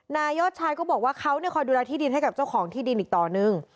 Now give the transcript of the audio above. นายยอดชายก็บอกว่าเขาคอยดูแลที่ดินให้กับเจ้าของที่ดินอีกต่อหนึ่ง